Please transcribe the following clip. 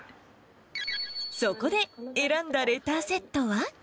そこで、選んだレターセットは？